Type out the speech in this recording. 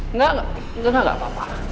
enggak enggak enggak enggak apa apa